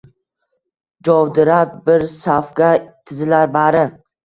Jovdirab bir safga tizilar bari